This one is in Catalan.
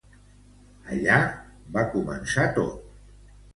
Allà, va començar tot.